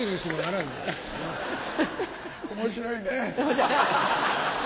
面白いね。